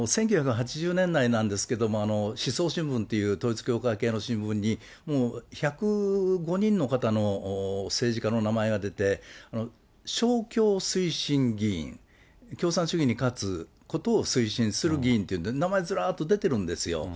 １９８０年代なんですけれども、しそう新聞っていう統一教会系の新聞に、もう１０５人の方の政治家の名前が出て、勝共推進議員、共産主義に勝つことを推進する議員っていうんで、名前ずらっと出てるんですよ。